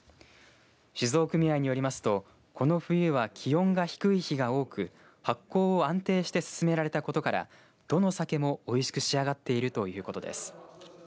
酒造組合によりますとこの冬は気温が低い日が多く発酵を安定して進められたことからどの酒も美味しく仕上がっているということです。